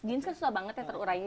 jeans kan sudah banget ya terurai